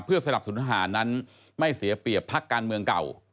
สนับสนุนทหารนั้นไม่เสียเปรียบพักการเมืองเก่า